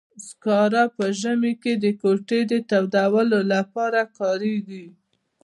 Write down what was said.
سکاره په ژمي کې د کوټې تودولو لپاره کاریږي.